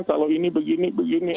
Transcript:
kalau ini begini begini